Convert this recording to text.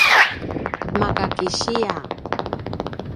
maka kisiya